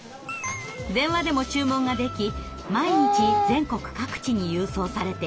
電話でも注文ができ毎日全国各地に郵送されています。